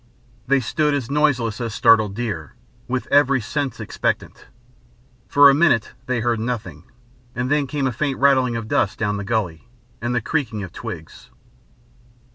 They stood as noiseless as startled deer, with every sense expectant. For a minute they heard nothing, and then came a faint rattling of dust down the gully, and the creaking of twigs.